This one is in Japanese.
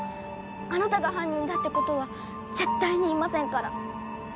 あなたが犯人だってことは絶対に言いませんから